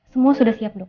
semua sudah siap dok